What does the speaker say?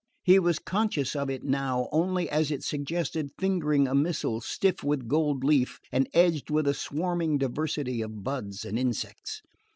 He was conscious of it now only as it suggested fingering a missal stiff with gold leaf and edged with a swarming diversity of buds and insects.